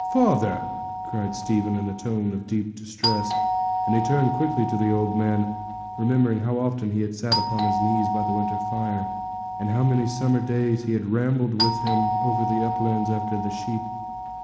'Father!' cried Stephen, in a tone of deep distress; and he turned quickly to the old man, remembering how often he had sat upon his knees by the winter fire, and how many summer days he had rambled with him over the uplands after the sheep.